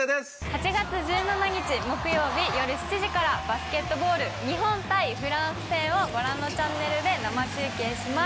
８月１７日木曜日夜７時からバスケットボール日本対フランス戦をご覧のチャンネルで生中継します。